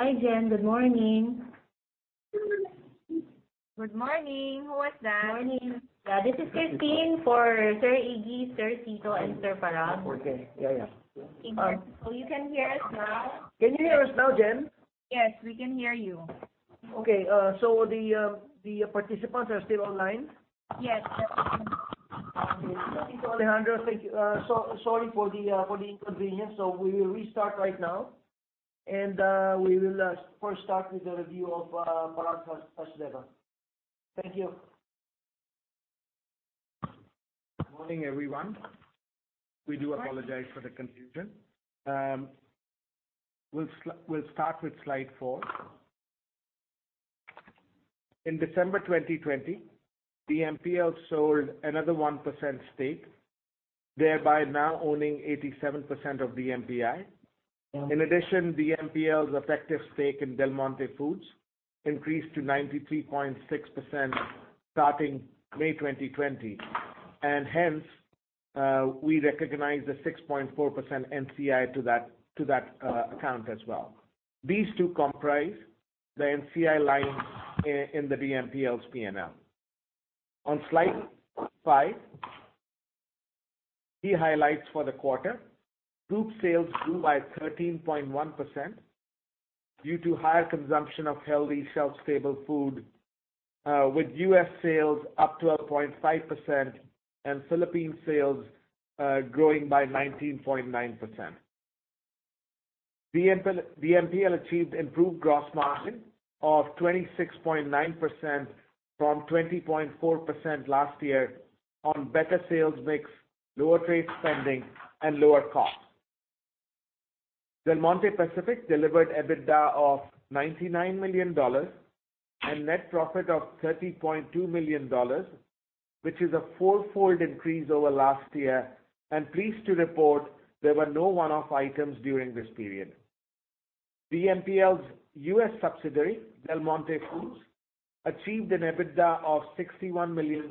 Hi, Jen. Good morning. Good morning. Who was that? Morning. Yeah, this is Christine for Sir Iggy, Sir Tito, and Sir Parag. Yeah. Thank you. You can hear us now? Can you hear us now, Jen? Yes, we can hear you. Okay. The participants are still online? Yes, they're still online. Okay. Thank you, Alejandro. Thank you. Sorry for the inconvenience. We will restart right now, and we will first start with the review of Parag's level. Thank you. Morning, everyone. We do apologize for the confusion. We'll start with slide four. In December 2020, DMPL sold another 1% stake, thereby now owning 87% of DMPI. In addition, DMPL's effective stake in Del Monte Foods increased to 93.6% starting May 2020, hence, we recognize the 6.4% NCI to that account as well. These two comprise the NCI line in the DMPL's P&L. On slide five, key highlights for the quarter. Group sales grew by 13.1% due to higher consumption of healthy shelf-stable food, with US sales up 12.5% Philippine sales growing by 19.9%. DMPL achieved improved gross margin of 26.9% from 20.4% last year on better sales mix, lower trade spending, and lower costs. Del Monte Pacific delivered EBITDA of $99 million and net profit of $30.2 million, which is a four-fold increase over last year, and pleased to report there were no one-off items during this period. DMPL's U.S. subsidiary, Del Monte Foods, achieved an EBITDA of $61 million,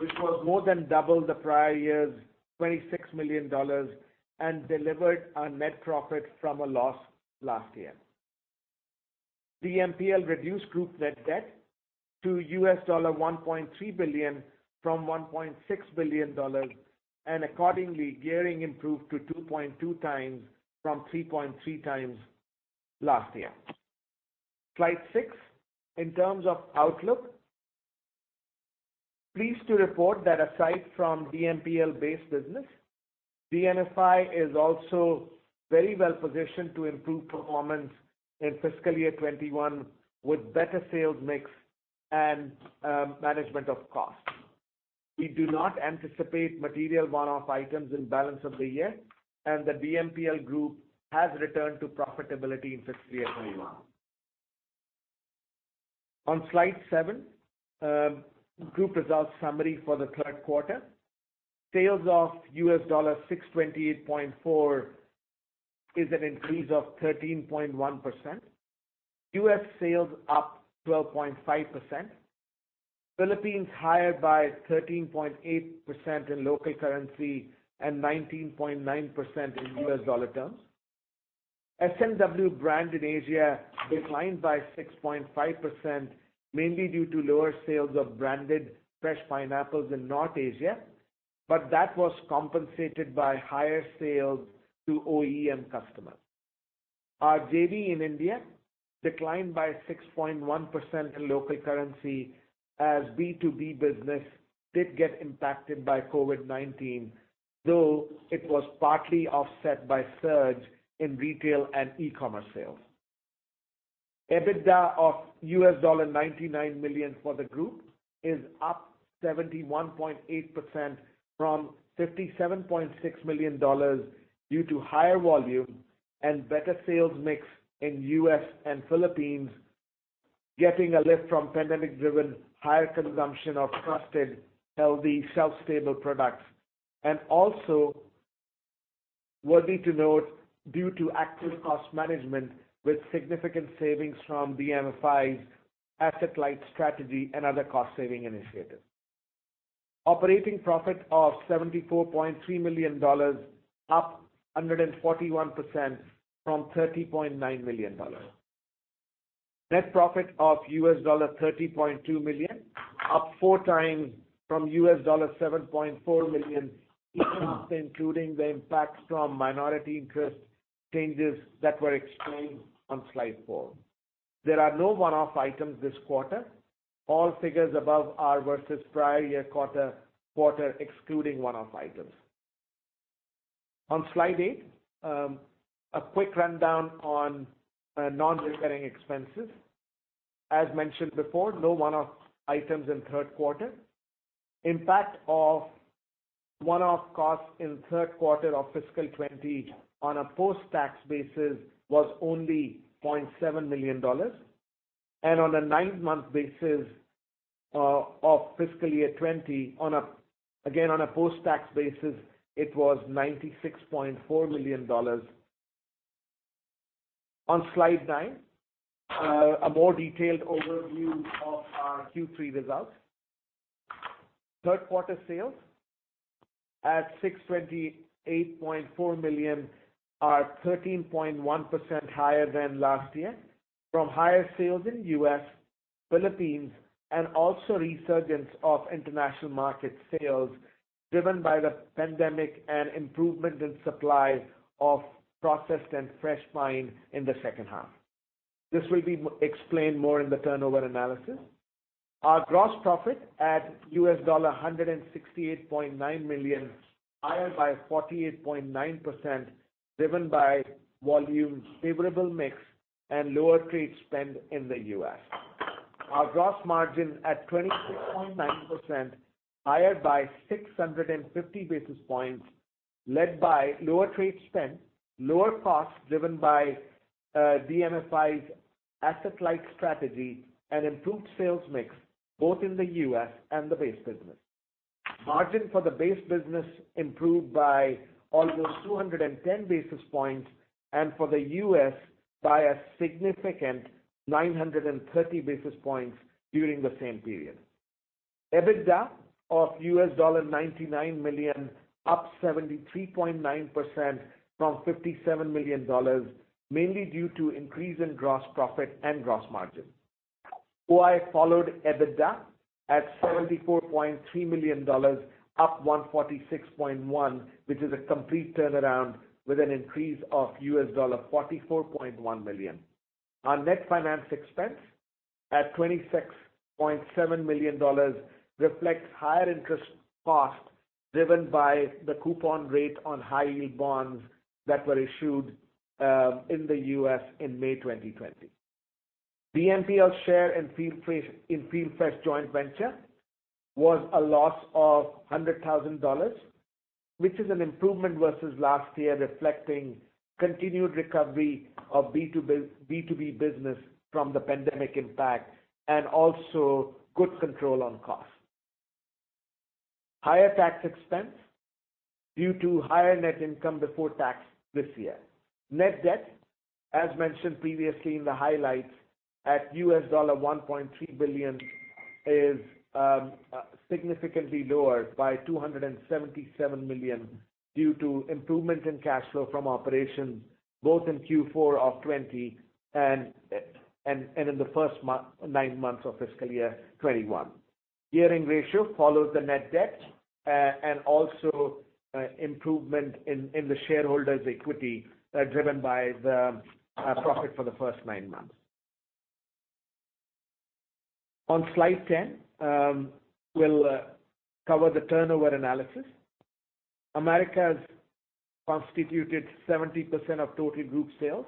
which was more than double the prior year's $26 million, and delivered a net profit from a loss last year. DMPL reduced group net debt to $1.3 billion from $1.6 billion, and accordingly, gearing improved to 2.2 times from 3.3 times last year. Slide six, in terms of outlook. Pleased to report that aside from DMPL base business, DMFI is also very well-positioned to improve performance in fiscal year 2021 with better sales mix and management of cost. We do not anticipate material one-off items in balance of the year, and the DMPL group has returned to profitability in fiscal year 2021. On slide seven, group results summary for the third quarter. Sales of $628.4 is an increase of 13.1%. U.S. sales up 12.5%. Philippines higher by 13.8% in local currency and 19.9% in U.S. dollar terms. S&W brand in Asia declined by 6.5%, mainly due to lower sales of branded fresh pineapples in North Asia, but that was compensated by higher sales to OEM customers. Our JV in India declined by 6.1% in local currency as B2B business did get impacted by COVID-19, though it was partly offset by surge in retail and e-commerce sales. EBITDA of US$99 million for the group is up 71.8% from $57.6 million due to higher volume and better sales mix in U.S. and Philippines, getting a lift from pandemic-driven higher consumption of trusted, healthy shelf-stable products, and also worthy to note, due to active cost management, with significant savings from DMFI's asset-light strategy and other cost-saving initiatives. Operating profit of $74.3 million, up 141% from $30.9 million. Net profit of US$30.2 million, up four times from US$7.4 million, including the impacts from minority interest changes that were explained on slide four. There are no one-off items this quarter. All figures above are versus prior year quarter excluding one-off items. On slide eight, a quick rundown on non-recurring expenses. As mentioned before, no one-off items in third quarter. Impact of one-off costs in third quarter of fiscal 2020 on a post-tax basis was only $0.7 million. On a nine-month basis of fiscal year 2020, again, on a post-tax basis, it was $96.4 million. On slide nine, a more detailed overview of our Q3 results. Third quarter sales at $628.4 million are 13.1% higher than last year, from higher sales in U.S., Philippines, and also resurgence of international market sales driven by the pandemic and improvement in supply of processed and fresh pine in the second half. This will be explained more in the turnover analysis. Our gross profit at $168.9 million, higher by 48.9%, driven by volume, favorable mix, and lower trade spend in the U.S. Our gross margin at 26.9%, higher by 650 basis points, led by lower trade spend, lower costs driven by DMFI's asset-light strategy, and improved sales mix, both in the U.S. and the base business. Margin for the base business improved by almost 210 basis points, and for the U.S. by a significant 930 basis points during the same period. EBITDA of $99 million, up 73.9% from $57 million, mainly due to increase in gross profit and gross margin. OI followed EBITDA at $74.3 million, up 146.1%, which is a complete turnaround with an increase of $44.1 million. Our net finance expense at $26.7 million reflects higher interest cost driven by the coupon rate on high-yield bonds that were issued in the U.S. in May 2020. DMPL share in FieldFresh joint venture was a loss of $100,000, which is an improvement versus last year, reflecting continued recovery of B2B business from the pandemic impact, and also good control on cost. Higher tax expense due to higher net income before tax this year. Net debt, as mentioned previously in the highlights, at $1.3 billion, is significantly lower by $277 million due to improvement in cash flow from operations, both in Q4 of 2020 and in the first nine months of fiscal year 2021. Gearing ratio follows the net debt, and also improvement in the shareholders' equity, driven by the profit for the first nine months. On slide 10, we'll cover the turnover analysis. Americas constituted 70% of total group sales,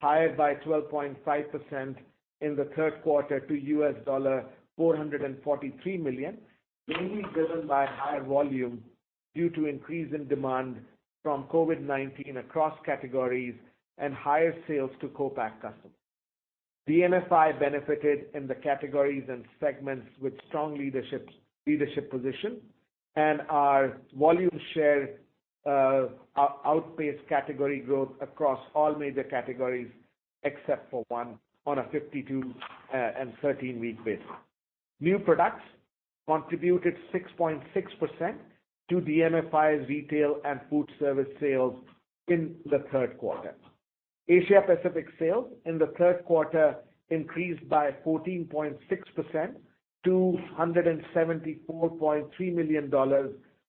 higher by 12.5% in the third quarter to $443 million, mainly driven by higher volume due to increase in demand from COVID-19 across categories and higher sales to co-pack customers. DMFI benefited in the categories and segments with strong leadership position, and our volume share outpaced category growth across all major categories except for one on a 52 and 13-week basis. New products contributed 6.6% to DMFI's retail and food service sales in the third quarter. Asia Pacific sales in the third quarter increased by 14.6% to $174.3 million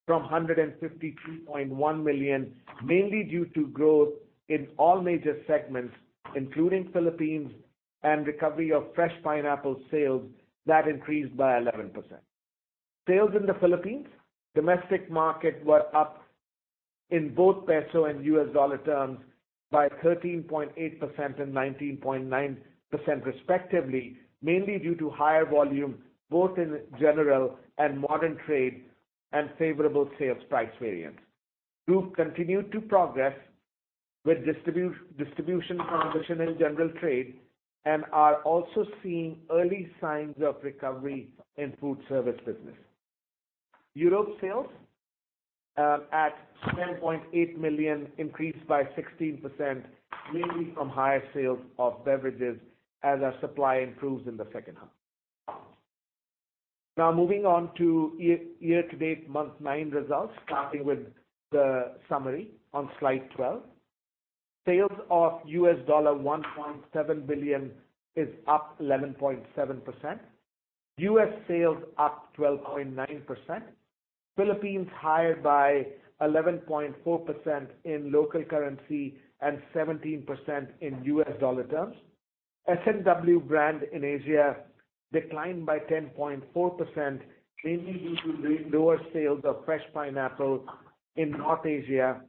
from $153.1 million, mainly due to growth in all major segments, including Philippines and recovery of fresh pineapple sales that increased by 11%. Sales in the Philippines domestic market were up in both peso and US dollar terms by 13.8% and 19.9% respectively, mainly due to higher volume both in general and modern trade and favorable sales price variance. Group continued to progress with distribution foundation in general trade and are also seeing early signs of recovery in food service business. Europe sales at $10.8 million increased by 16%, mainly from higher sales of beverages as our supply improves in the second half. Moving on to year-to-date month nine results, starting with the summary on slide 12. Sales of $1.7 billion is up 11.7%. U.S. sales up 12.9%. Philippines higher by 11.4% in local currency and 17% in U.S. dollar terms. S&W brand in Asia declined by 10.4%, mainly due to lower sales of fresh pineapple in North Asia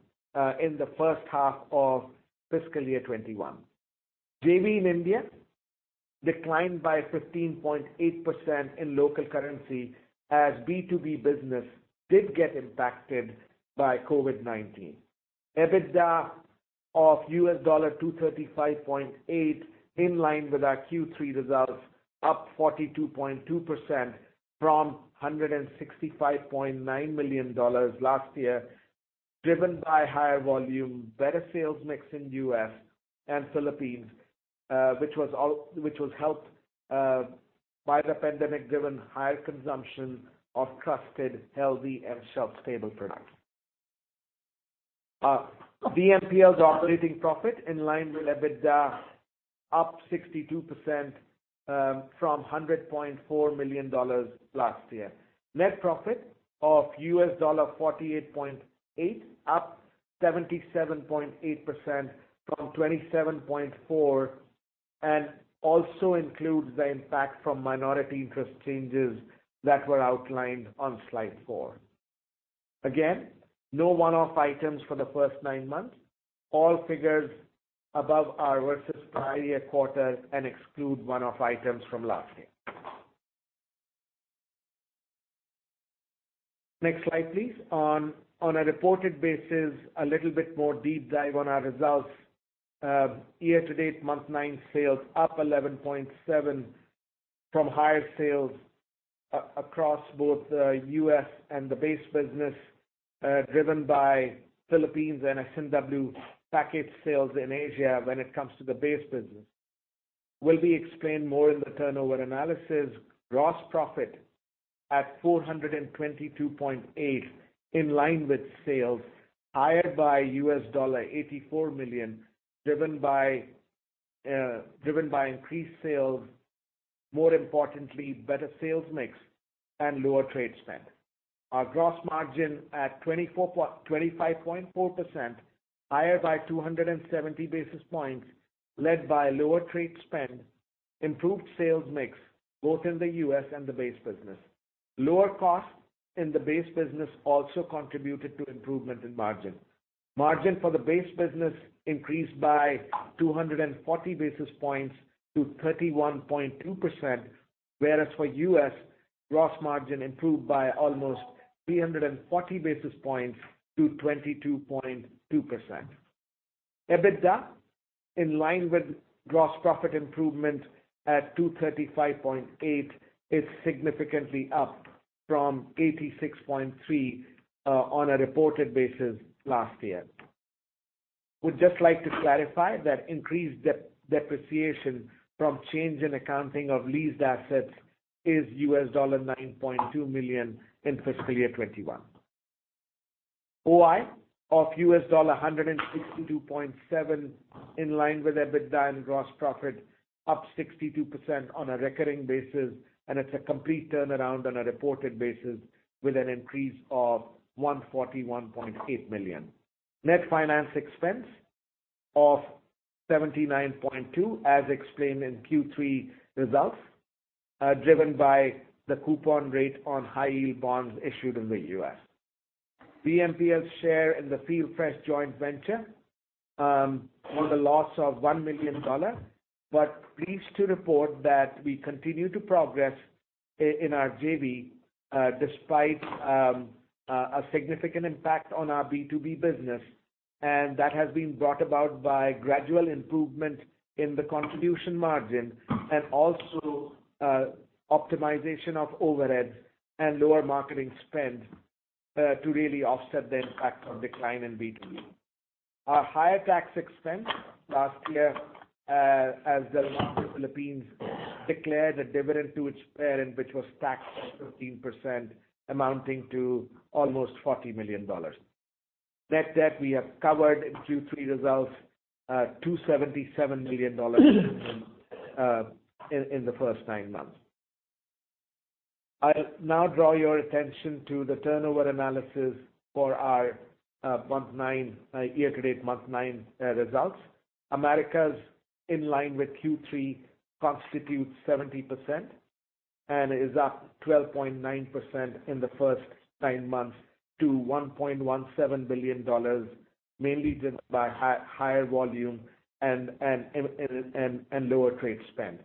in the first half of fiscal year 2021. JV in India declined by 15.8% in local currency as B2B business did get impacted by COVID-19. EBITDA of $235.8 million, in line with our Q3 results, up 42.2% from $165.9 million last year. Driven by higher volume, better sales mix in U.S. and Philippines, which was helped by the pandemic-driven higher consumption of trusted, healthy, and shelf-stable products. DMPL's operating profit in line with EBITDA, up 62% from $100.4 million last year. Net profit of $48.8 million, up 77.8% from $27.4 million, and also includes the impact from minority interest changes that were outlined on slide four. Again, no one-off items for the first nine months. All figures above are versus prior year quarters and exclude one-off items from last year. Next slide, please. On a reported basis, a little bit more deep dive on our results. Year-to-date month nine sales up 11.7% from higher sales across both the U.S. and the base business, driven by Philippines and S&W package sales in Asia when it comes to the base business. Will be explained more in the turnover analysis. Gross profit at $422.8 million, in line with sales, higher by $84 million, driven by increased sales, more importantly, better sales mix and lower trade spend. Our gross margin at 25.4%, higher by 270 basis points, led by lower trade spend, improved sales mix, both in the U.S. and the base business. Lower costs in the base business also contributed to improvement in margin. Margin for the base business increased by 240 basis points to 31.2%, whereas for U.S., gross margin improved by almost 340 basis points to 22.2%. EBITDA, in line with gross profit improvement at $235.8, is significantly up from $86.3 on a reported basis last year. Would just like to clarify that increased depreciation from change in accounting of leased assets is $9.2 million in fiscal year 2021. OI of $162.7, in line with EBITDA and gross profit, up 62% on a recurring basis. It's a complete turnaround on a reported basis with an increase of $141.8 million. Net finance expense of $79.2, as explained in Q3 results, driven by the coupon rate on high-yield bonds issued in the U.S. BMPS' share in the FieldFresh joint venture, on a loss of $1 million. Pleased to report that we continue to progress in our JV despite a significant impact on our B2B business, and that has been brought about by gradual improvement in the contribution margin and also optimization of overheads and lower marketing spend to really offset the impact of decline in B2B. A higher tax expense last year, as Del Monte Philippines declared a dividend to its parent, which was taxed by 15%, amounting to almost $40 million. Net debt, we have covered in Q3 results, $277 million in the first nine months. I'll now draw your attention to the turnover analysis for our year-to-date month nine results. Americas, in line with Q3, constitutes 70% and is up 12.9% in the first nine months to $1.17 billion, mainly driven by higher volume and lower trade spend.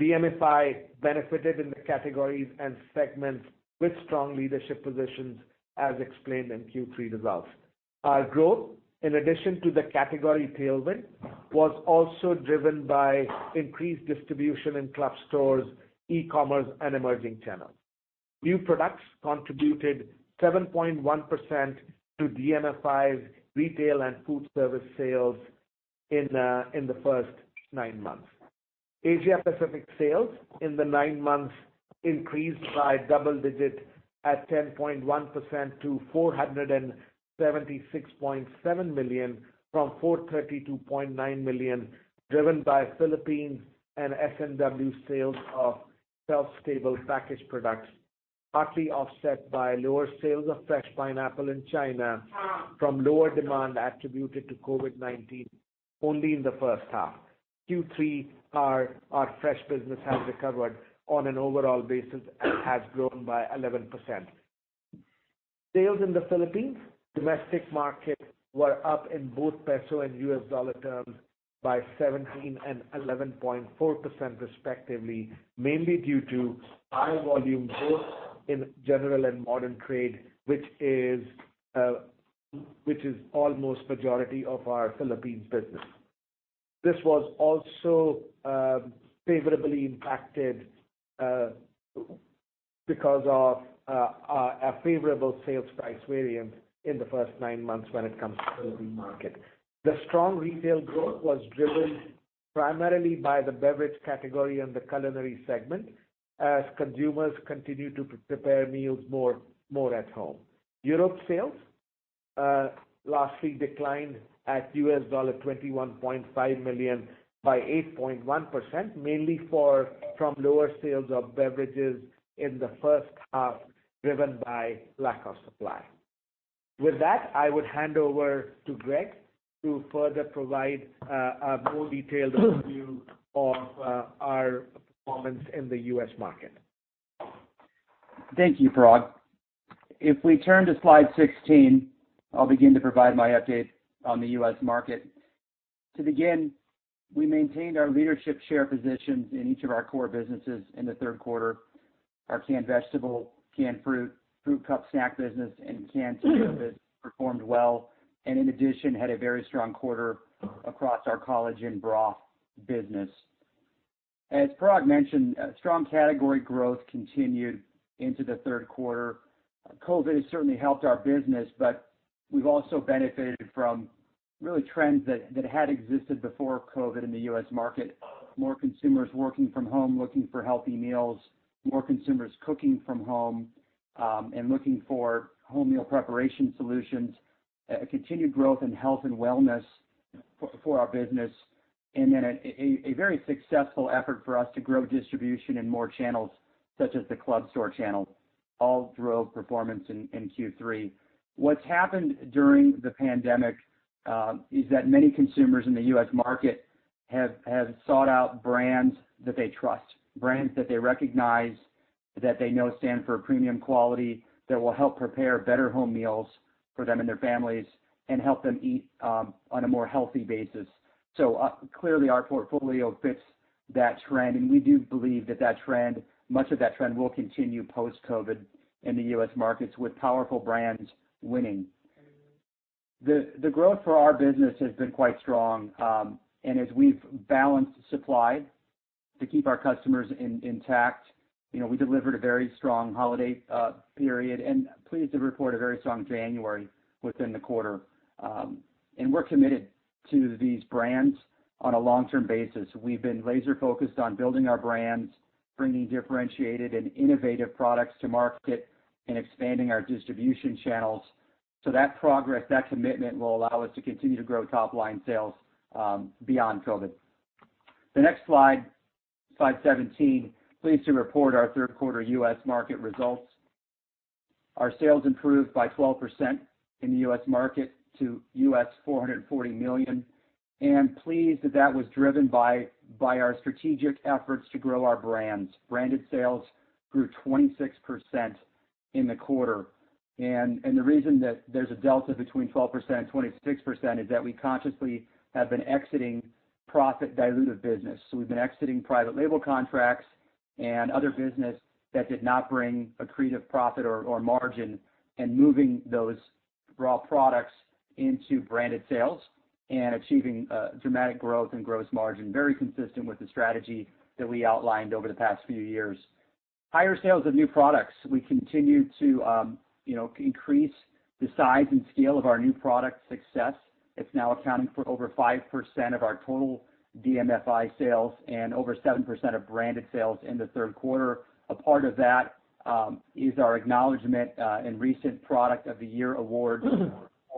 DMFI benefited in the categories and segments with strong leadership positions, as explained in Q3 results. Our growth, in addition to the category tailwind, was also driven by increased distribution in club stores, e-commerce, and emerging channels. New products contributed 7.1% to DMFI's retail and food service sales in the first nine months. Asia Pacific sales in the nine months increased by double digits at 10.1% to $476.7 million, from $432.9 million, driven by Philippines and S&W sales of shelf-stable packaged products, partly offset by lower sales of fresh pineapple in China from lower demand attributed to COVID-19 only in the first half. Q3, our fresh business has recovered on an overall basis and has grown by 11%. Sales in the Philippines domestic market were up in both PHP and USD terms by 17% and 11.4% respectively, mainly due to higher volume both in general and modern trade, which is almost majority of our Philippines business. This was also favorably impacted because of a favorable sales price variance in the first nine months when it comes to the market. The strong retail growth was driven primarily by the beverage category and the culinary segment as consumers continue to prepare meals more at home. Europe sales, lastly, declined at $21.5 million by 8.1%, mainly from lower sales of beverages in the first half, driven by lack of supply. With that, I would hand over to Greg to further provide a more detailed overview of our performance in the U.S. market. Thank you, Parag. If we turn to slide 16, I'll begin to provide my update on the U.S. market. To begin, we maintained our leadership share positions in each of our core businesses in the third quarter. Our canned vegetable, canned fruit cup snack business, and canned soup business performed well, and in addition, had a very strong quarter across our College Inn broth business. As Parag mentioned, strong category growth continued into the third quarter. COVID has certainly helped our business, but we've also benefited from really trends that had existed before COVID in the U.S. market. More consumers working from home, looking for healthy meals, more consumers cooking from home, and looking for home meal preparation solutions, a continued growth in health and wellness for our business, and then a very successful effort for us to grow distribution in more channels, such as the club store channel, all drove performance in Q3. What's happened during the pandemic is that many consumers in the U.S. market have sought out brands that they trust, brands that they recognize, that they know stand for premium quality, that will help prepare better home meals for them and their families, and help them eat on a more healthy basis. Clearly, our portfolio fits that trend, and we do believe that much of that trend will continue post-COVID in the U.S. markets, with powerful brands winning. The growth for our business has been quite strong. As we've balanced supply to keep our customers intact, we delivered a very strong holiday period and pleased to report a very strong January within the quarter. We're committed to these brands on a long-term basis. We've been laser focused on building our brands, bringing differentiated and innovative products to market, and expanding our distribution channels. That progress, that commitment, will allow us to continue to grow top-line sales beyond COVID. The next slide 17, pleased to report our third quarter U.S. market results. Our sales improved by 12% in the U.S. market to $440 million, and pleased that that was driven by our strategic efforts to grow our brands. Branded sales grew 26% in the quarter. The reason that there's a delta between 12% and 26% is that we consciously have been exiting profit dilutive business. We've been exiting private label contracts and other business that did not bring accretive profit or margin, and moving those raw products into branded sales and achieving dramatic growth and gross margin, very consistent with the strategy that we outlined over the past few years. Higher sales of new products. We continue to increase the size and scale of our new product success. It's now accounting for over 5% of our total DMFI sales and over 7% of branded sales in the third quarter. A part of that is our acknowledgment in recent Product of the Year awards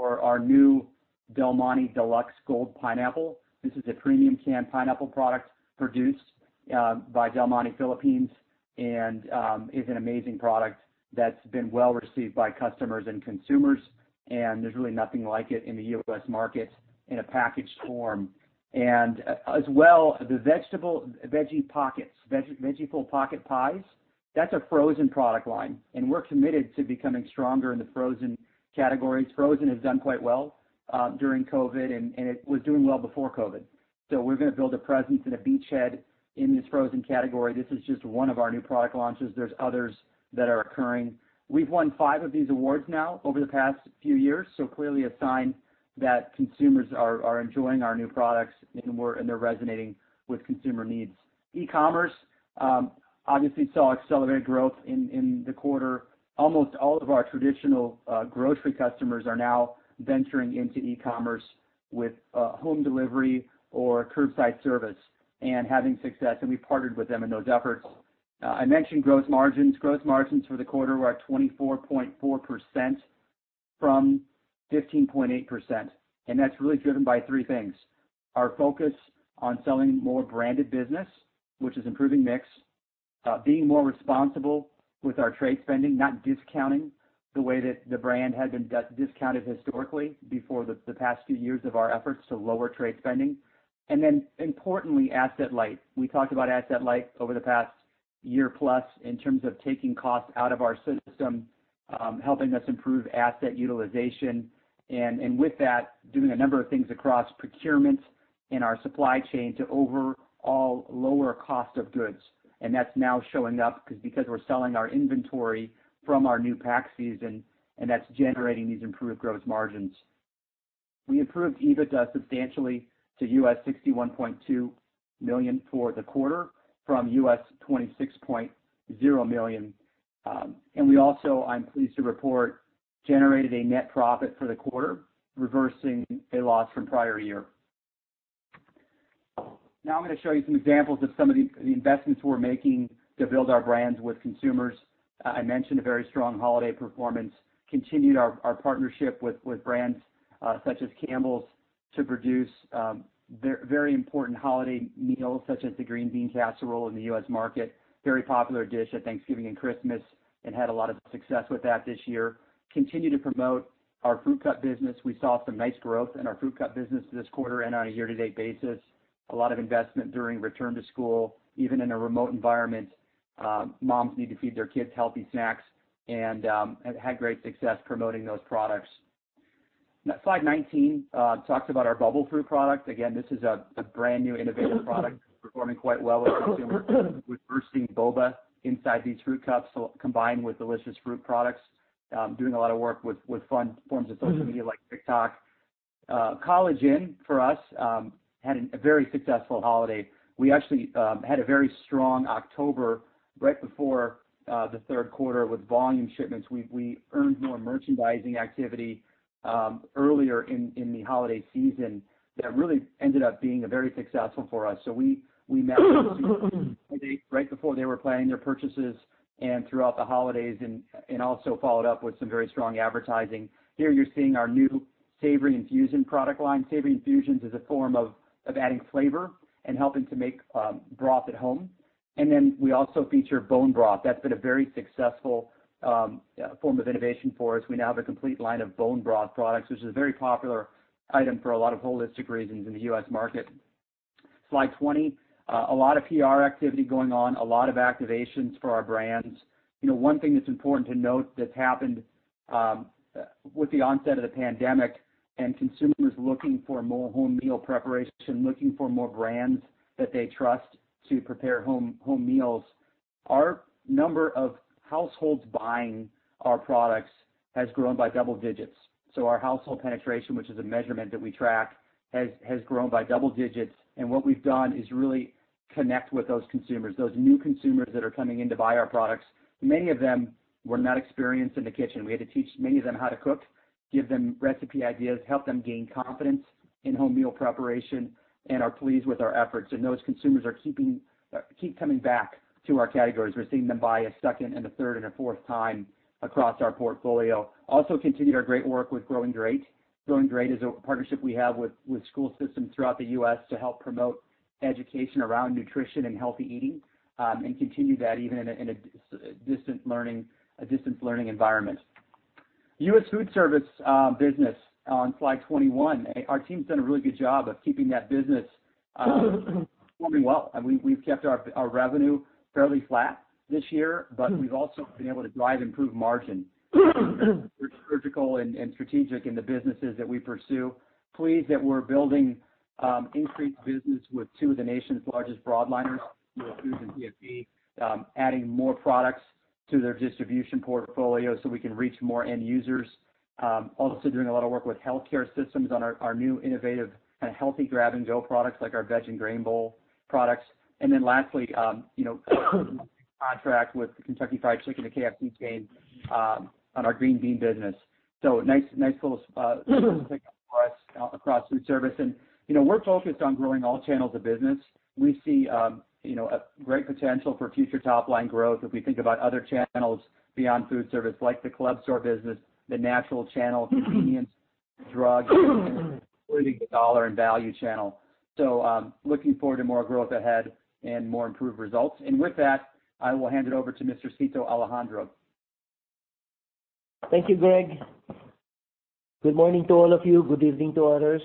for our new Del Monte Deluxe Gold Pineapple. This is a premium canned pineapple product produced by Del Monte Philippines, and is an amazing product that's been well received by customers and consumers, and there's really nothing like it in the U.S. market in a packaged form. As well, the Veggieful Pocket Pies, that's a frozen product line, and we're committed to becoming stronger in the frozen categories. Frozen has done quite well during COVID, and it was doing well before COVID. We're going to build a presence and a beachhead in this frozen category. This is just one of our new product launches. There's others that are occurring. We've won five of these awards now over the past few years. Clearly a sign that consumers are enjoying our new products and they're resonating with consumer needs. E-commerce obviously saw accelerated growth in the quarter. Almost all of our traditional grocery customers are now venturing into e-commerce with home delivery or curbside service and having success. We partnered with them in those efforts. I mentioned gross margins. Gross margins for the quarter were at 24.4% from 15.8%. That's really driven by three things. Our focus on selling more branded business, which is improving mix, being more responsible with our trade spending, not discounting the way that the brand had been discounted historically before the past few years of our efforts to lower trade spending. Importantly, asset-light. We talked about asset-light over the past year-plus in terms of taking costs out of our system, helping us improve asset utilization, and with that, doing a number of things across procurement in our supply chain to overall lower cost of goods. That's now showing up because we're selling our inventory from our new pack season, and that's generating these improved gross margins. We improved EBITDA substantially to $61.2 million for the quarter from $26.0 million. We also, I'm pleased to report, generated a net profit for the quarter, reversing a loss from prior year. I'm going to show you some examples of some of the investments we're making to build our brands with consumers. I mentioned a very strong holiday performance, continued our partnership with brands such as Campbell's to produce very important holiday meals such as the green bean casserole in the U.S. market. Very popular dish at Thanksgiving and Christmas, had a lot of success with that this year. Continue to promote our fruit cup business. We saw some nice growth in our fruit cup business this quarter and on a year-to-date basis. A lot of investment during return to school. Even in a remote environment, moms need to feed their kids healthy snacks and had great success promoting those products. Slide 19 talks about our Bubble Fruit product. This is a brand-new innovative product performing quite well with consumers with bursting boba inside these fruit cups combined with delicious fruit products. Doing a lot of work with fun forms of social media like TikTok. College Inn, for us, had a very successful holiday. We actually had a very strong October right before the third quarter with volume shipments. We earned more merchandising activity earlier in the holiday season that really ended up being very successful for us. We met right before they were planning their purchases and throughout the holidays and also followed up with some very strong advertising. Here you're seeing our new Savory Infusion product line. Savory Infusions is a form of adding flavor and helping to make broth at home. We also feature bone broth. That's been a very successful form of innovation for us. We now have a complete line of bone broth products, which is a very popular item for a lot of holistic reasons in the U.S. market. Slide 20. A lot of PR activity going on, a lot of activations for our brands. One thing that's important to note that's happened with the onset of the pandemic and consumers looking for more home meal preparation, looking for more brands that they trust to prepare home meals, our number of households buying our products has grown by double digits. Our household penetration, which is a measurement that we track, has grown by double digits. What we've done is really connect with those consumers, those new consumers that are coming in to buy our products. Many of them were not experienced in the kitchen. We had to teach many of them how to cook, give them recipe ideas, help them gain confidence in home meal preparation, and are pleased with our efforts. Those consumers keep coming back to our categories. We're seeing them buy a second and a third and a fourth time across our portfolio. Continued our great work with GrowingGreat. GrowingGreat is a partnership we have with school systems throughout the U.S. to help promote education around nutrition and healthy eating, and continue that even in a distance learning environment. U.S. Foodservice business on slide 21. Our team's done a really good job of keeping that business performing well. We've kept our revenue fairly flat this year, but we've also been able to drive improved margin. We're surgical and strategic in the businesses that we pursue. Pleased that we're building increased business with two of the nation's largest broadliners, US Foods and PFG, adding more products to their distribution portfolio so we can reach more end users. Also doing a lot of work with healthcare systems on our new innovative healthy grab-and-go products like our Veg & Grain Bowl products. Lastly, contract with the Kentucky Fried Chicken, the KFC chain, on our green bean business. Nice little for us across foodservice. We're focused on growing all channels of business. We see great potential for future top-line growth if we think about other channels beyond foodservice, like the club store business, the natural channel, convenience, drug, including the dollar and value channel. Looking forward to more growth ahead and more improved results. With that, I will hand it over to Mr. Tito Alejandro. Thank you, Greg. Good morning to all of you. Good evening to others.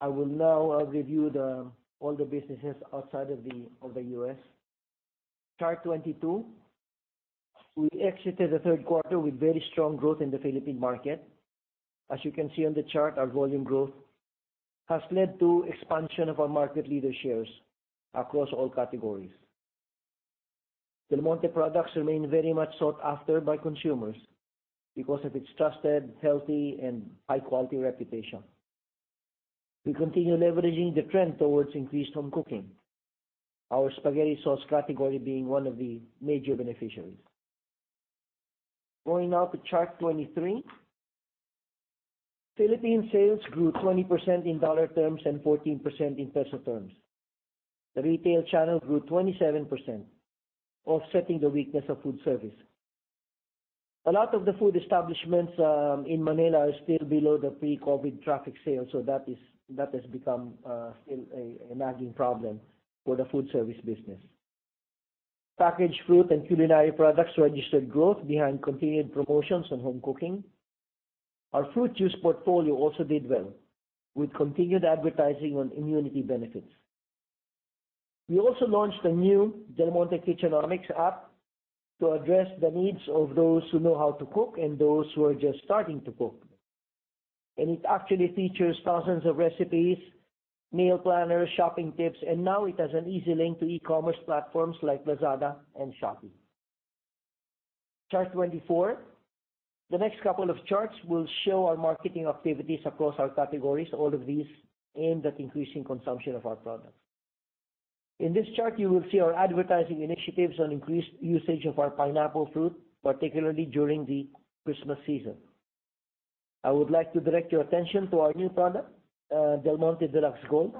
I will now review all the businesses outside of the U.S. Chart 22, we exited the third quarter with very strong growth in the Philippine market. As you can see on the chart, our volume growth has led to expansion of our market leader shares across all categories. Del Monte products remain very much sought after by consumers because of its trusted, healthy, and high-quality reputation. We continue leveraging the trend towards increased home cooking, our spaghetti sauce category being one of the major beneficiaries. Going now to chart 23. Philippine sales grew 20% in dollar terms and 14% in peso terms. The retail channel grew 27%, offsetting the weakness of foodservice. A lot of the food establishments in Manila are still below the pre-COVID traffic sales, so that has become still a nagging problem for the foodservice business. Packaged fruit and culinary products registered growth behind continued promotions on home cooking. Our fruit juice portfolio also did well with continued advertising on immunity benefits. We also launched a new Del Monte Kitchenomics app to address the needs of those who know how to cook and those who are just starting to cook. It actually features thousands of recipes, meal planners, shopping tips, and now it has an easy link to e-commerce platforms like Lazada and Shopee. Chart 24. The next couple of charts will show our marketing activities across our categories. All of these aimed at increasing consumption of our products. In this chart, you will see our advertising initiatives on increased usage of our pineapple fruit, particularly during the Christmas season. I would like to direct your attention to our new product, Del Monte Deluxe Gold.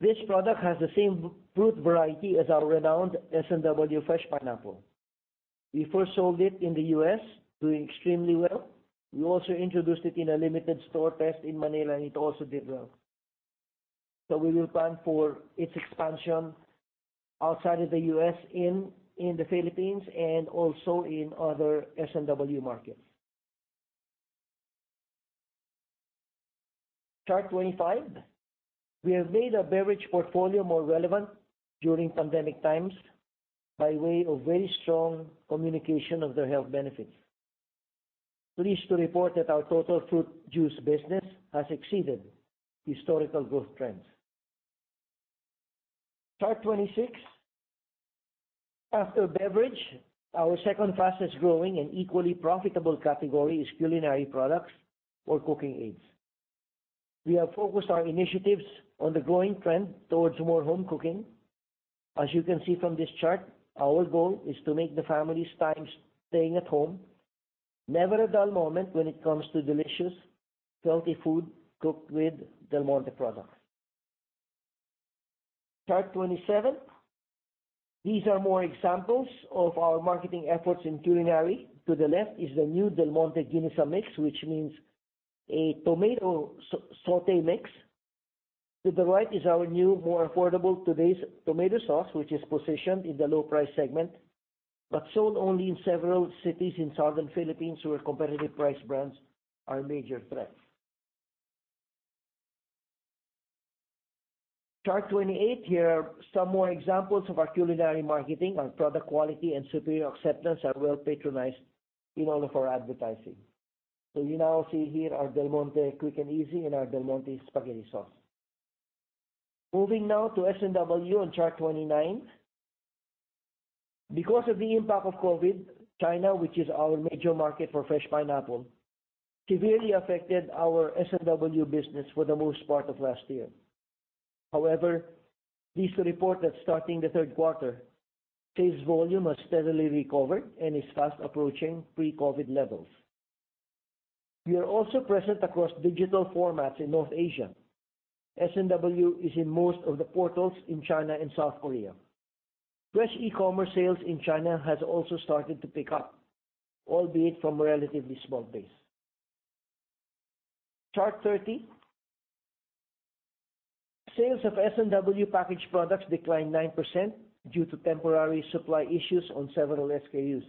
This product has the same fruit variety as our renowned S&W Fresh Pineapple. We first sold it in the U.S., doing extremely well. We also introduced it in a limited store test in Manila, and it also did well. We will plan for its expansion outside of the U.S., in the Philippines, and also in other S&W markets. Chart 25. We have made our beverage portfolio more relevant during pandemic times by way of very strong communication of their health benefits. Pleased to report that our total fruit juice business has exceeded historical growth trends. Chart 26. After beverage, our second fastest growing and equally profitable category is culinary products or cooking aids. We have focused our initiatives on the growing trend towards more home cooking. As you can see from this chart, our goal is to make the family's times staying at home never a dull moment when it comes to delicious, healthy food cooked with Del Monte products. Chart 27. These are more examples of our marketing efforts in culinary. To the left is the new Del Monte Ginisa Mix, which means a tomato sauté mix. To the right is our new, more affordable Today's Tomato Sauce, which is positioned in the low price segment, but sold only in several cities in Southern Philippines, where competitive price brands are a major threat. Chart 28. Here are some more examples of our culinary marketing. Our product quality and superior acceptance are well patronized in all of our advertising. You now see here our Del Monte Quick 'n Easy and our Del Monte Spaghetti Sauce. Moving now to S&W on Chart 29. Because of the impact of COVID, China, which is our major market for fresh pineapple, severely affected our S&W business for the most part of last year. However, pleased to report that starting the third quarter, sales volume has steadily recovered and is fast approaching pre-COVID levels. We are also present across digital formats in North Asia. S&W is in most of the portals in China and South Korea. Fresh e-commerce sales in China has also started to pick up, albeit from a relatively small base. Chart 30. Sales of S&W packaged products declined 9% due to temporary supply issues on several SKUs.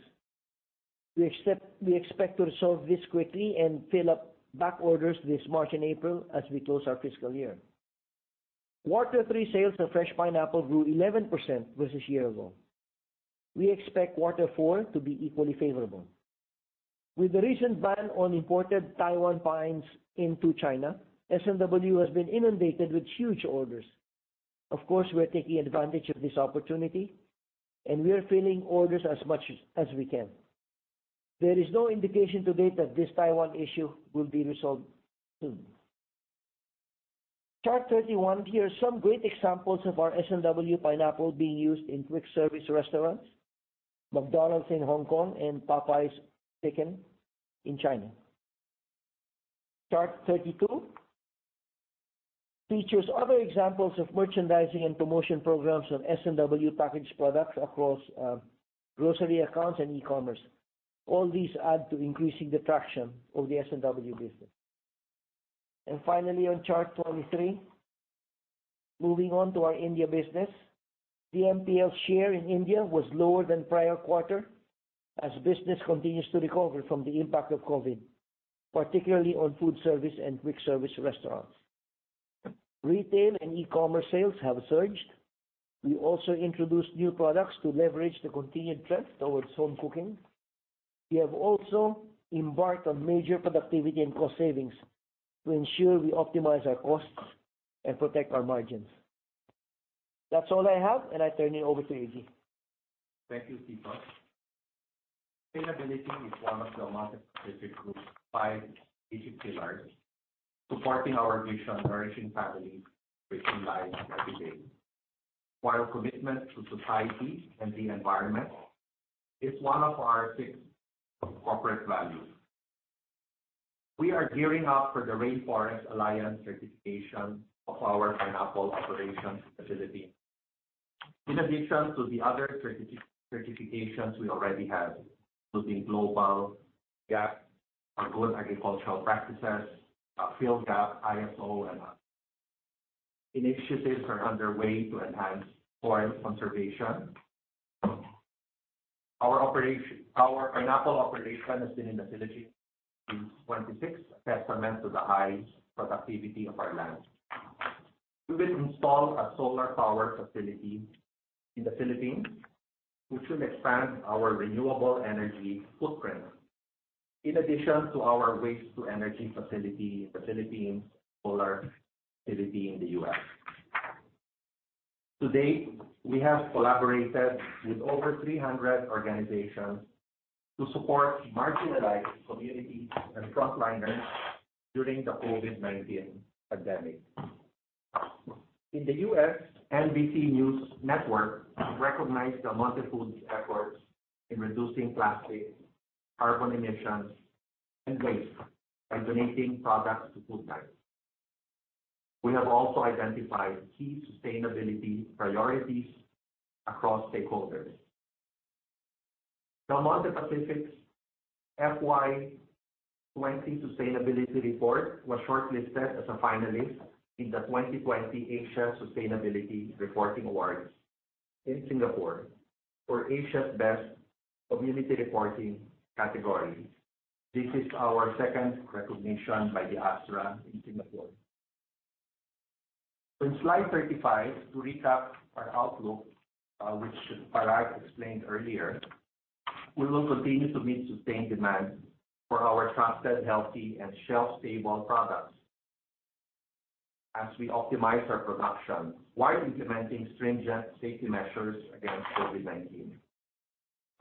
We expect to resolve this quickly and fill up back orders this March and April as we close our fiscal year. Quarter three sales of fresh pineapple grew 11% versus year-ago. We expect quarter four to be equally favorable. With the recent ban on imported Taiwan pines into China, S&W has been inundated with huge orders. Of course, we're taking advantage of this opportunity, and we are filling orders as much as we can. There is no indication to date that this Taiwan issue will be resolved soon. Chart 31. Here are some great examples of our S&W pineapple being used in quick service restaurants, McDonald's in Hong Kong and Popeyes Chicken in China. Chart 32 features other examples of merchandising and promotion programs of S&W packaged products across grocery accounts and e-commerce. All these add to increasing the traction of the S&W business. Finally, on Chart 23, moving on to our India business. DMPL's share in India was lower than prior quarter as business continues to recover from the impact of COVID, particularly on food service and quick service restaurants. Retail and e-commerce sales have surged. We also introduced new products to leverage the continued trend towards home cooking. We have also embarked on major productivity and cost savings to ensure we optimize our costs and protect our margins. That's all I have, and I turn it over to Iggy. Thank you, Tito. Sustainability is one of Del Monte Pacific Group's five strategic pillars, supporting our vision, "Nourishing families, enriching lives, every day." While commitment to society and the environment is one of our six corporate values. We are gearing up for the Rainforest Alliance certification of our pineapple operations facility. In addition to the other certifications we already have, including Global G.A.P., or Good Agricultural Practices, PhilGAP, ISO, and others. Initiatives are underway to enhance soil conservation. Our pineapple operation has been in the Philippines since 1926, a testament to the high productivity of our lands. We will install a solar power facility in the Philippines, which will expand our renewable energy footprint. In addition to our waste to energy facility in the Philippines, solar facility in the U.S. To date, we have collaborated with over 300 organizations to support marginalized communities and frontliners during the COVID-19 pandemic. In the U.S., NBC News Network recognized Del Monte Foods' efforts in reducing plastic, carbon emissions, and waste by donating products to food banks. We have also identified key sustainability priorities across stakeholders. Del Monte Pacific's FY 2020 sustainability report was shortlisted as a finalist in the 2020 Asia Sustainability Reporting Awards in Singapore for Asia's Best Community Reporting category. This is our second recognition by the ASRA in Singapore. In slide 35, to recap our outlook, which Parag explained earlier, we will continue to meet sustained demand for our trusted, healthy, and shelf-stable products as we optimize our production while implementing stringent safety measures against COVID-19.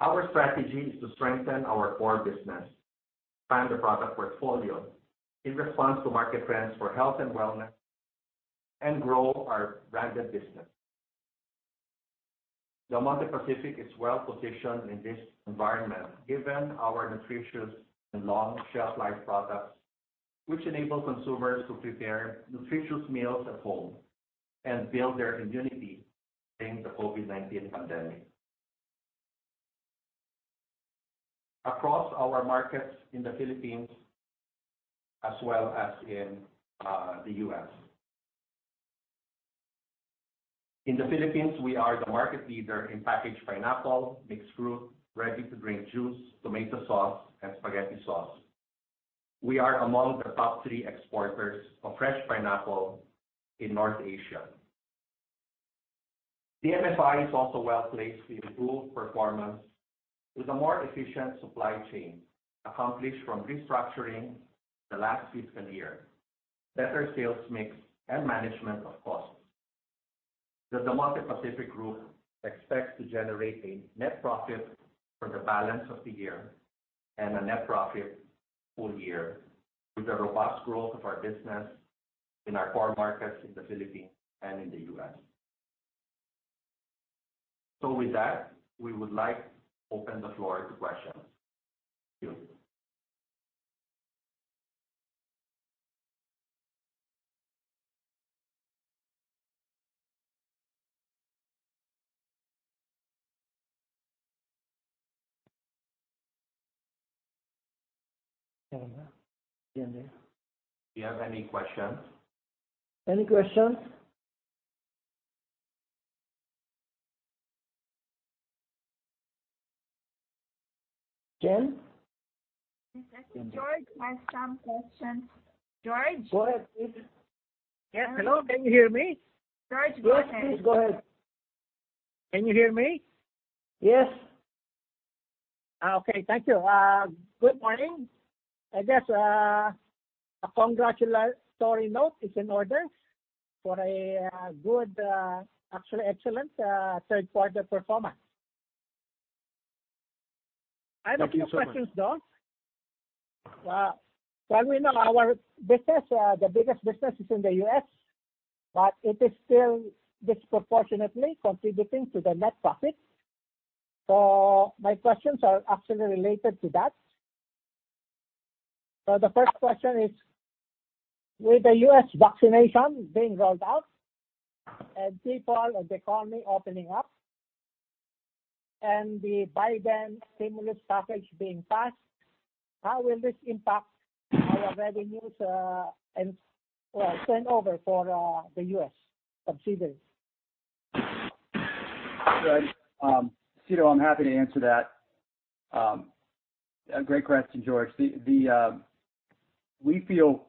Our strategy is to strengthen our core business, expand the product portfolio in response to market trends for health and wellness, and grow our branded business. Del Monte Pacific is well-positioned in this environment, given our nutritious and long shelf life products, which enable consumers to prepare nutritious meals at home and build their immunity during the COVID-19 pandemic. Across our markets in the Philippines as well as in the U.S. In the Philippines, we are the market leader in packaged pineapple, mixed fruit, ready-to-drink juice, tomato sauce, and spaghetti sauce. We are among the top three exporters of fresh pineapple in North Asia. DMFI is also well-placed to improve performance with a more efficient supply chain accomplished from restructuring the last fiscal year, better sales mix, and management of costs. The Del Monte Pacific Group expects to generate a net profit for the balance of the year and a net profit full-year with the robust growth of our business in our core markets in the Philippines and in the U.S. With that, we would like open the floor to questions. Thank you. Do you have any questions? Any questions? Jen? George has some questions. George? Go ahead, please. Yes. Hello, can you hear me? George, go ahead. Yes, please, go ahead. Can you hear me? Yes. Okay. Thank you. Good morning. I guess a congratulatory note is in order for an excellent third quarter performance. Thank you so much. I have a few questions, though. Well, we know the biggest business is in the U.S., but it is still disproportionately contributing to the net profit. My questions are actually related to that. The first question is, with the U.S. vaccination being rolled out and people and the economy opening up and the Biden stimulus package being passed, how will this impact our revenues and turnover for the U.S. consumers? George, I'm happy to answer that. Great question, George. We feel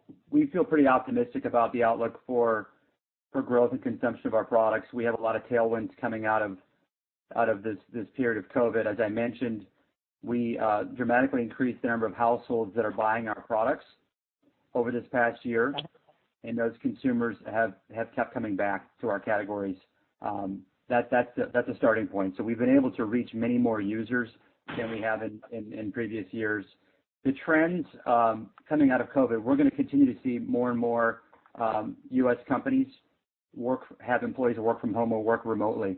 pretty optimistic about the outlook for growth and consumption of our products. We have a lot of tailwinds coming out of this period of COVID. As I mentioned, we dramatically increased the number of households that are buying our products over this past year, and those consumers have kept coming back to our categories. That's a starting point. We've been able to reach many more users than we have in previous years. The trends coming out of COVID, we're going to continue to see more and more U.S. companies have employees who work from home or work remotely,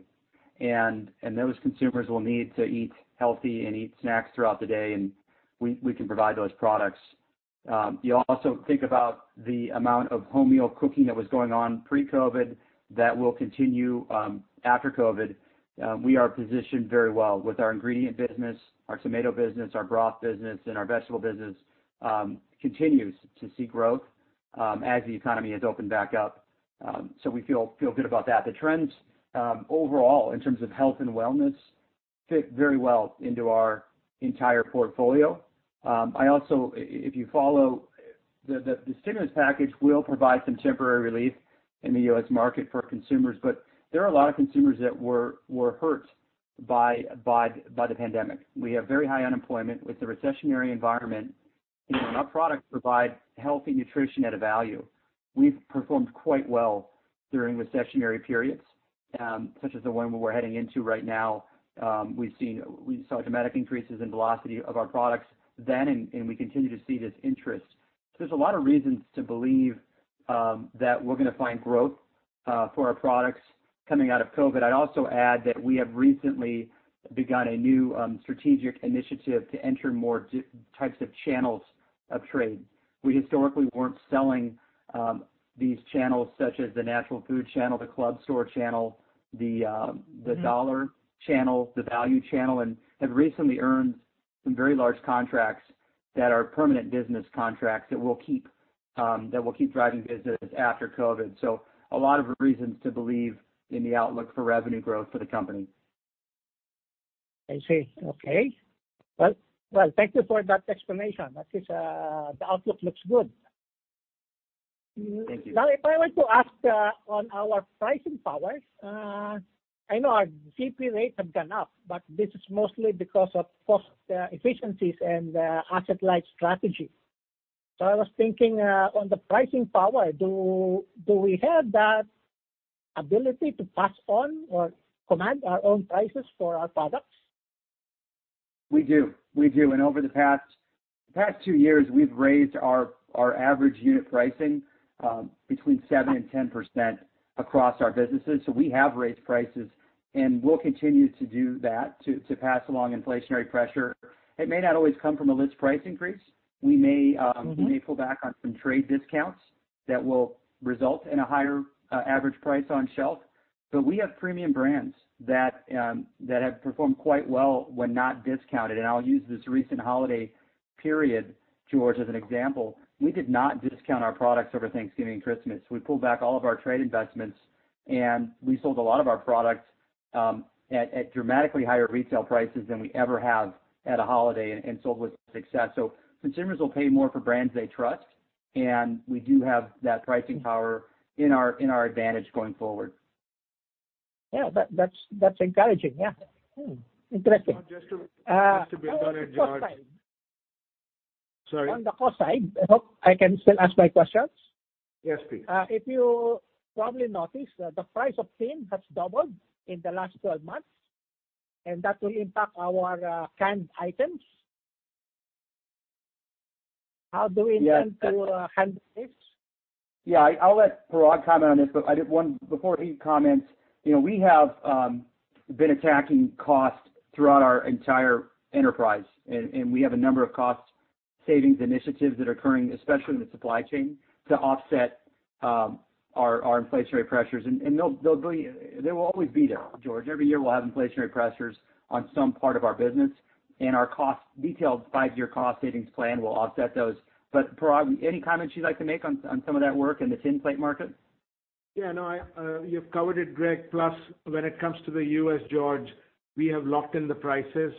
and those consumers will need to eat healthy and eat snacks throughout the day, and we can provide those products. You also think about the amount of home meal cooking that was going on pre-COVID that will continue after COVID. We are positioned very well with our ingredient business. Our tomato business, our broth business, and our vegetable business continues to see growth as the economy has opened back up. We feel good about that. The trends overall in terms of health and wellness fit very well into our entire portfolio. The stimulus package will provide some temporary relief in the U.S. market for consumers. There are a lot of consumers that were hurt by the pandemic. We have very high unemployment with the recessionary environment. Our products provide healthy nutrition at a value. We've performed quite well during recessionary periods, such as the one where we're heading into right now. We saw dramatic increases in velocity of our products then, and we continue to see this interest. There's a lot of reasons to believe that we're going to find growth for our products coming out of COVID. I'd also add that we have recently begun a new strategic initiative to enter more types of channels of trade. We historically weren't selling these channels such as the natural food channel, the club store channel. the dollar channel, the value channel, and have recently earned some very large contracts that are permanent business contracts that will keep driving business after COVID. A lot of reasons to believe in the outlook for revenue growth for the company. I see. Okay. Well, thank you for that explanation. The outlook looks good. Thank you. If I were to ask on our pricing powers, I know our GP rates have gone up, but this is mostly because of cost efficiencies and asset-light strategy. I was thinking on the pricing power, do we have that ability to pass on or command our own prices for our products? We do. Over the past two years, we've raised our average unit pricing between 7% and 10% across our businesses. We have raised prices, and we'll continue to do that to pass along inflationary pressure. It may not always come from a list price increase. pull back on some trade discounts that will result in a higher average price on shelf. We have premium brands that have performed quite well when not discounted. I'll use this recent holiday period, George, as an example. We did not discount our products over Thanksgiving and Christmas. We pulled back all of our trade investments, and we sold a lot of our products at dramatically higher retail prices than we ever have at a holiday, and sold with success. Consumers will pay more for brands they trust, and we do have that pricing power in our advantage going forward. Yeah. That's encouraging. Yeah. Interesting. Just to build on it, George. On the cost side. Sorry. On the cost side, I hope I can still ask my questions. Yes, please. If you probably noticed, the price of tin has doubled in the last 12 months. That will impact our canned items. Yeah intend to handle this? Yeah, I'll let Parag comment on this, but before he comments, we have been attacking cost throughout our entire enterprise, and we have a number of cost savings initiatives that are occurring, especially in the supply chain, to offset our inflationary pressures. They will always be there, George. Every year, we'll have inflationary pressures on some part of our business, and our detailed five-year cost savings plan will offset those. Parag, any comments you'd like to make on some of that work in the tin plate market? Yeah, no, you've covered it, Greg. Plus, when it comes to the U.S., George, we have locked in the prices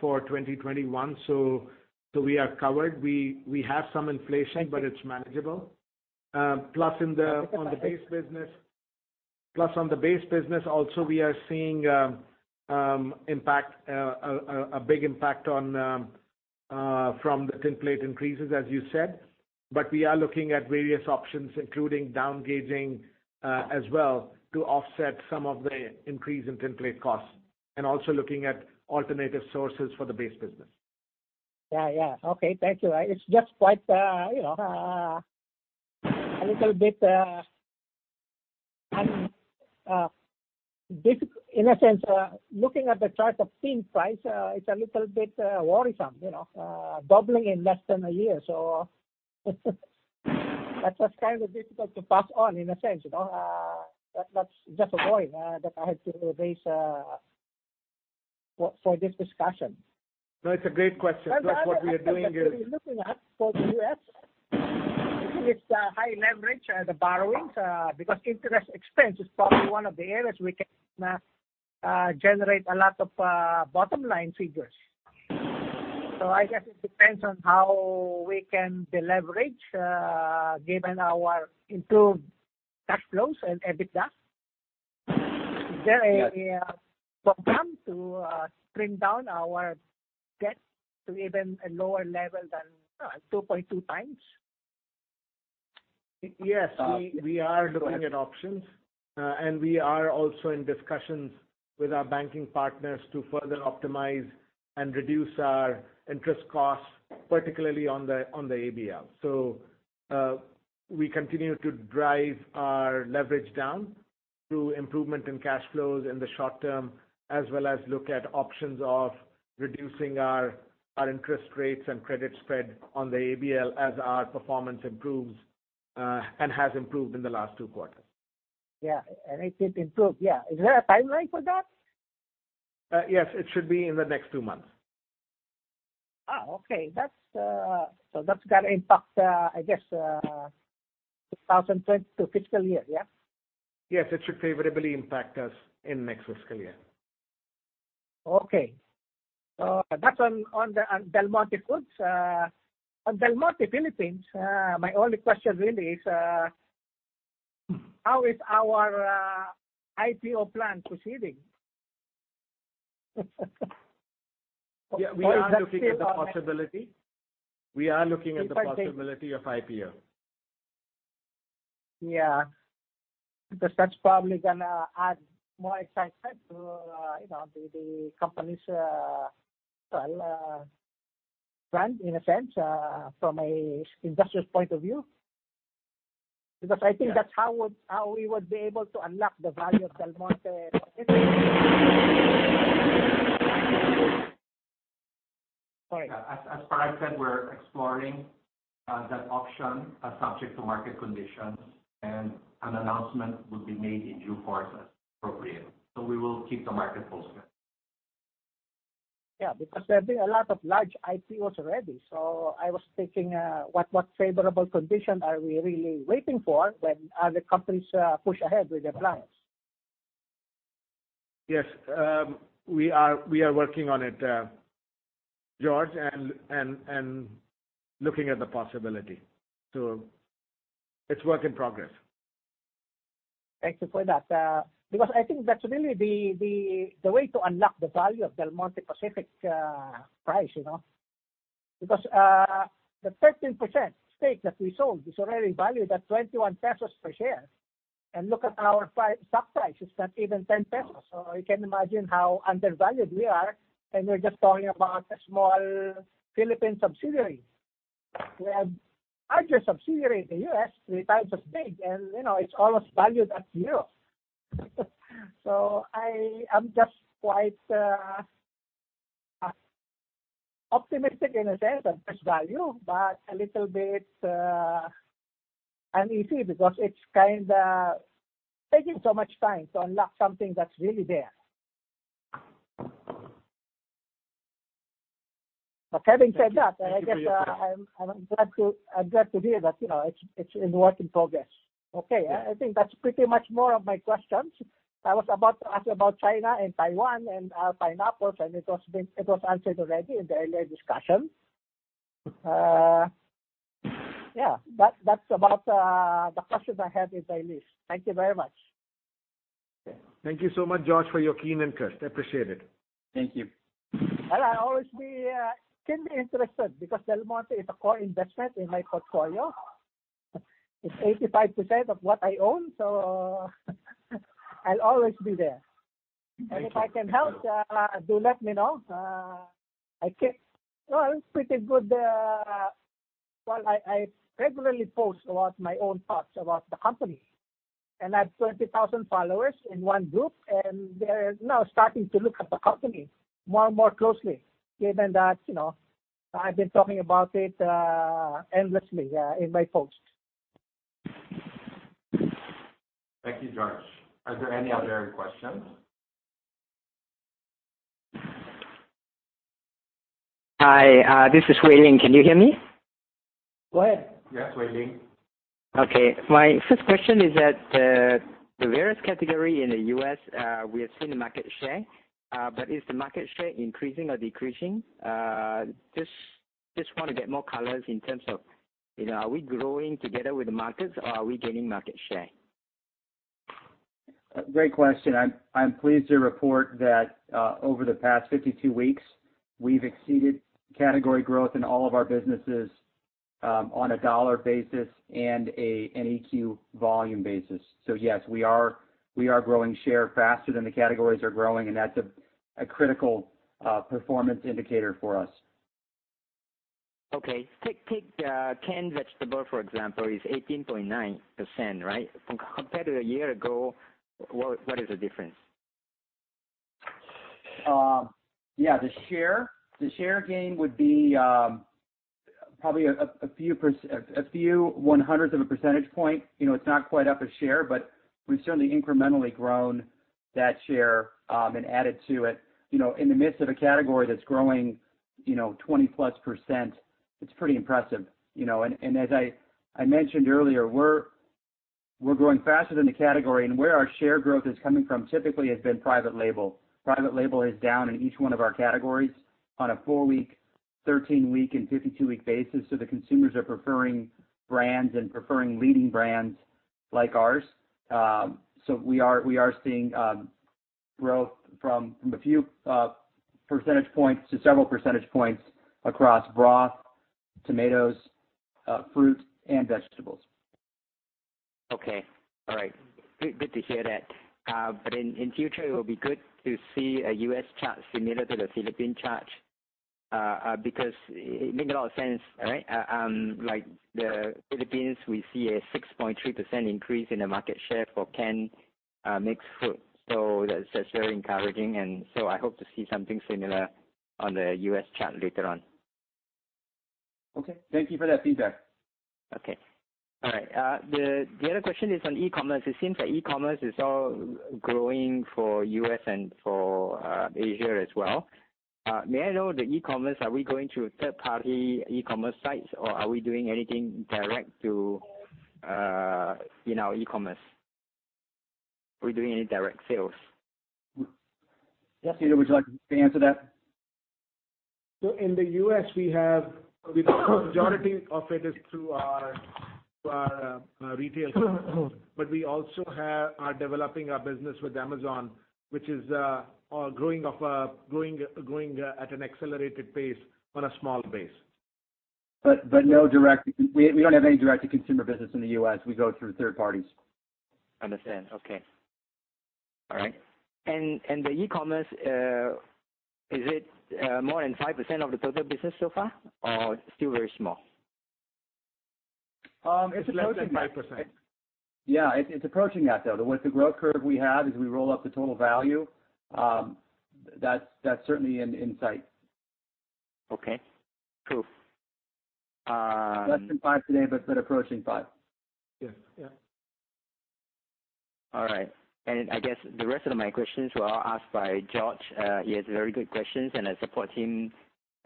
for 2021. We are covered. We have some inflation. It's manageable. On the base business, also, we are seeing a big impact from the tin plate increases, as you said. We are looking at various options, including down-gauging as well, to offset some of the increase in tin plate costs, and also looking at alternative sources for the base business. Yeah. Okay. Thank you. It's just quite a little bit difficult in a sense, looking at the chart of tin price, it's a little bit worrisome. Doubling in less than a year. That's what's kind of difficult to pass on in a sense. That's just a worry that I had to raise for this discussion. No, it's a great question. Plus, what we are doing. What we're looking at for the U.S., it's high leverage, the borrowings, because interest expense is probably one of the areas we can generate a lot of bottom-line figures. I guess it depends on how we can deleverage, given our improved cash flows and EBITDA. Yeah program to bring down our debt to even a lower level than 2.2x? Yes. We are looking at options, and we are also in discussions with our banking partners to further optimize and reduce our interest costs, particularly on the ABL. We continue to drive our leverage down through improvement in cash flows in the short term, as well as look at options of reducing our interest rates and credit spread on the ABL as our performance improves and has improved in the last 2 quarters. Yeah. It did improve, yeah. Is there a timeline for that? Yes, it should be in the next two months. Oh, okay. That's got to impact, I guess, 2022 fiscal year, yeah? Yes, it should favorably impact us in next fiscal year. Okay. That's on Del Monte Foods. On Del Monte Philippines, my only question really is how is our IPO plan proceeding? Yeah, we are looking at the possibility of IPO. Yeah. That's probably going to add more excitement to the company's brand, in a sense, from an investor's point of view. I think that's how we would be able to unlock the value of Del Monte Pacific. Sorry. As Parag said, we're exploring that option subject to market conditions, and an announcement would be made in due course as appropriate. We will keep the market posted. Yeah, because there've been a lot of large IPOs already. I was thinking, what favorable condition are we really waiting for when other companies push ahead with their plans? Yes. We are working on it, George, looking at the possibility. It's work in progress. Thank you for that. I think that's really the way to unlock the value of Del Monte Pacific price. The 13% stake that we sold is already valued at 21 pesos per share. Look at our stock price, it's not even 10 pesos, so you can imagine how undervalued we are, and we're just talking about a small Philippine subsidiary. We have larger subsidiary in the U.S., three times as big, and it's almost valued at zero. I am just quite optimistic in a sense of this value, but a little bit uneasy because it's taking so much time to unlock something that's really there. Having said that. Thank you for your time. I guess I'm glad to hear that it's in work in progress. Okay. Yeah. I think that's pretty much more of my questions. I was about to ask about China and Taiwan and pineapples, and it was answered already in the earlier discussion. Yeah. That's about the questions I have in my list. Thank you very much. Thank you so much, George, for your keen interest. I appreciate it. Thank you. Well, I always can be interested because Del Monte is a core investment in my portfolio. It's 85% of what I own, so I'll always be there. Thank you. If I can help, do let me know. Well, it's pretty good. Well, I regularly post about my own thoughts about the company, and I have 20,000 followers in one group, and they're now starting to look at the company more and more closely, given that I've been talking about it endlessly in my posts. Thank you, George. Are there any other questions? Hi, this is Wei Ling. Can you hear me? Go ahead. Yes, Wei Ling. Okay. My first question is that the various category in the U.S., we have seen the market share. Is the market share increasing or decreasing? Just want to get more colors in terms of are we growing together with the markets or are we gaining market share? Great question. I'm pleased to report that over the past 52 weeks, we've exceeded category growth in all of our businesses on a dollar basis and an equivalized volume basis. Yes, we are growing share faster than the categories are growing, and that's a critical performance indicator for us. Okay. Take canned vegetable, for example, is 18.9%, right? Compared to a year ago, what is the difference? Yeah. The share gain would be probably a few one hundredth of a percentage point. It's not quite up a share, but we've certainly incrementally grown that share and added to it. In the midst of a category that's growing 20+%, it's pretty impressive. As I mentioned earlier, we're growing faster than the category, and where our share growth is coming from typically has been private label. Private label is down in each one of our categories on a 4-week, 13-week, and 52-week basis. The consumers are preferring brands and preferring leading brands like ours. We are seeing growth from a few percentage points to several percentage points across broth, tomatoes, fruits, and vegetables. Okay. All right. Good to hear that. In future, it will be good to see a U.S. chart similar to the Philippine chart, because it make a lot of sense, right? Like the Philippines, we see a 6.3% increase in the market share for canned mixed fruit. That's very encouraging. I hope to see something similar on the U.S. chart later on. Okay. Thank you for that feedback. Okay. All right. The other question is on e-commerce. It seems that e-commerce is all growing for U.S. and for Asia as well. May I know, the e-commerce, are we going through third-party e-commerce sites, or are we doing anything direct in our e-commerce? Are we doing any direct sales? Yes. Peter, would you like to answer that? In the U.S., the majority of it is through our retail stores. We also are developing our business with Amazon, which is growing at an accelerated pace on a small base. We don't have any direct-to-consumer business in the U.S. We go through third parties. Understand. Okay. All right. The e-commerce, is it more than 5% of the total business so far, or still very small? It's approaching five. Less than 5%. Yeah. It's approaching that, though. With the growth curve we have, as we roll up the total value, that's certainly in sight. Okay. Cool. Less than five today, but approaching five. Yes. All right. I guess the rest of my questions were all asked by George. He has very good questions, and I support him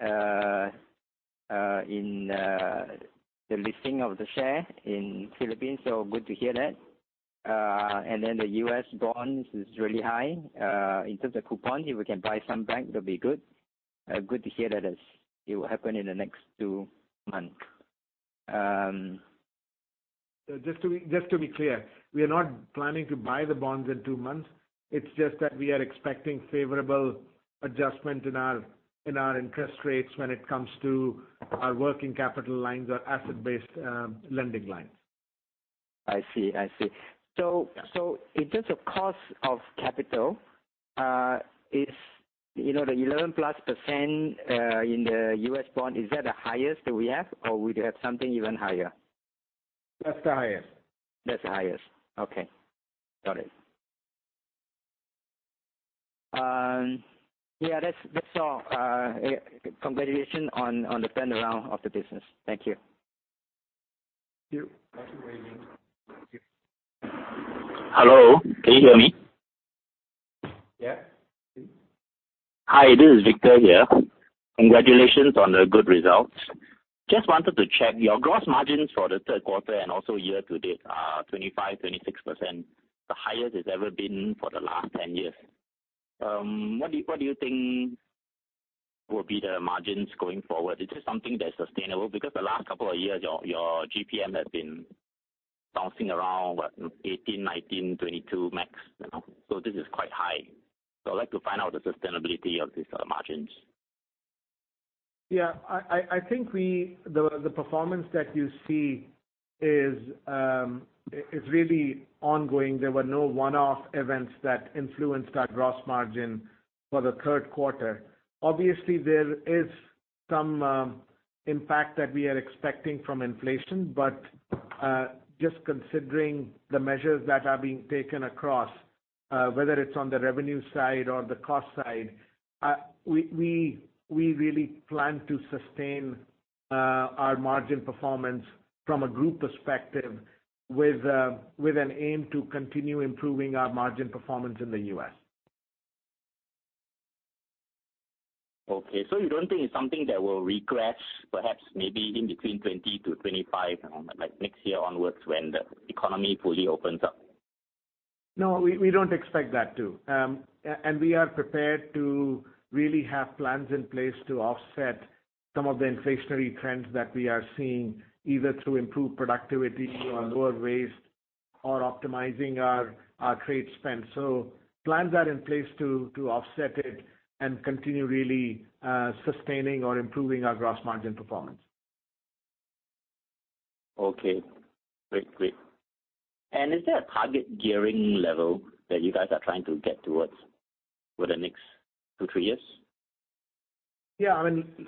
in the listing of the share in Philippines, so good to hear that. The U.S. bonds is really high. In terms of coupon, if we can buy some back, that'd be good. Good to hear that it will happen in the next two months. Just to be clear, we are not planning to buy the bonds in two months. It's just that we are expecting favorable adjustment in our interest rates when it comes to our working capital lines or asset-based lending lines. I see. In terms of cost of capital, the 11-plus% in the U.S. bond, is that the highest that we have, or we'd have something even higher? That's the highest. That's the highest. Okay. Got it. That's all. Congratulations on the turnaround of the business. Thank you. Thank you. Thank you very much. Hello, can you hear me? Yeah. Hi, this is Victor here. Congratulations on the good results. Just wanted to check, your gross margins for the third quarter and also year-to-date are 25%, 26%, the highest it's ever been for the last 10 years. What do you think will be the margins going forward? Is this something that's sustainable? Because the last couple of years, your GPM has been bouncing around, what, 18%, 19%, 22% max. This is quite high. I'd like to find out the sustainability of these margins. Yeah, I think the performance that you see is really ongoing. There were no one-off events that influenced our gross margin for the third quarter. Obviously, there is some impact that we are expecting from inflation. Just considering the measures that are being taken across, whether it's on the revenue side or the cost side, we really plan to sustain our margin performance from a group perspective with an aim to continue improving our margin performance in the U.S. Okay, you don't think it's something that will regress, perhaps maybe in between 20%-25%, like next year onwards when the economy fully opens up? No, we don't expect that to. We are prepared to really have plans in place to offset some of the inflationary trends that we are seeing, either through improved productivity or lower waste or optimizing our trade spend. Plans are in place to offset it and continue really sustaining or improving our gross margin performance. Okay. Great. Is there a target gearing level that you guys are trying to get towards for the next two, three years? Yeah,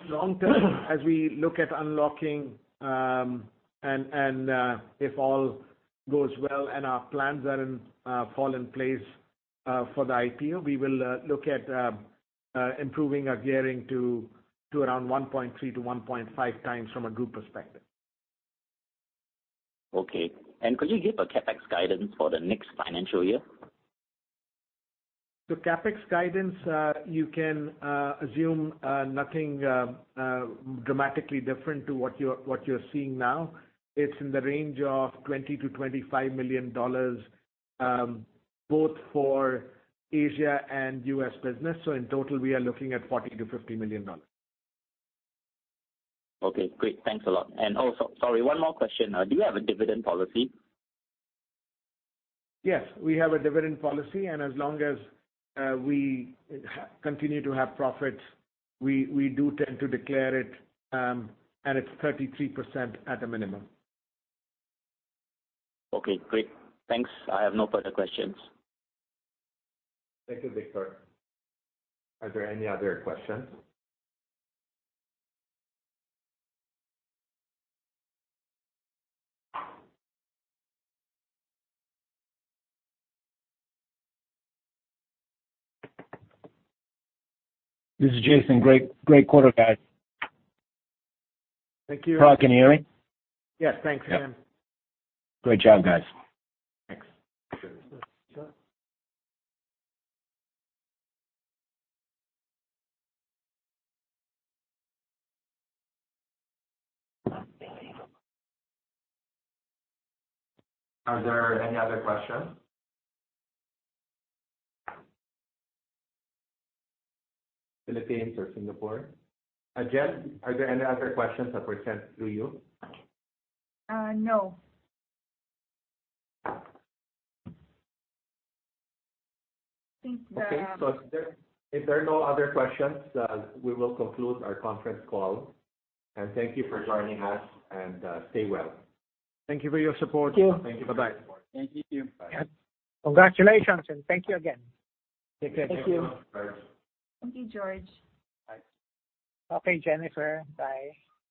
long term, as we look at unlocking, and if all goes well and our plans fall in place for the IPO, we will look at improving our gearing to around 1.3-1.5 times from a group perspective. Okay. Could you give a CapEx guidance for the next financial year? CapEx guidance, you can assume nothing dramatically different to what you're seeing now. It's in the range of $20 million-$25 million, both for Asia and U.S. business. In total, we are looking at $40 million-$50 million. Okay, great. Thanks a lot. Sorry, one more question. Do you have a dividend policy? Yes, we have a dividend policy, and as long as we continue to have profits, we do tend to declare it, and it's 33% at a minimum. Okay, great. Thanks. I have no further questions. Thank you, Victor. Are there any other questions? This is Jason. Great quarter, guys. Thank you. Parag, can you hear me? Yes, thanks, Jason. Great job, guys. Thanks. Are there any other questions? Philippines or Singapore. Jen, are there any other questions that were sent to you? No. I think. Okay. If there are no other questions, we will conclude our conference call. Thank you for joining us, and stay well. Thank you for your support. Thank you. Thank you for your support. Bye-bye. Thank you. Bye. Congratulations, thank you again. Take care. Thank you. Thank you, George. Bye. Okay, Jennifer. Bye.